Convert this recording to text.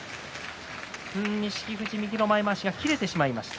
錦富士、右の前まわしが切れてしまいました。